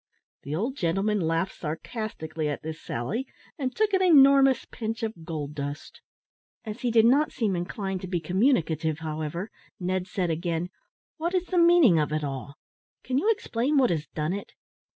'" The old gentleman laughed sarcastically at this sally, and took an enormous pinch of gold dust. As he did not seem inclined to be communicative, however, Ned said again, "What is the meaning of it all? can you explain what has done it?"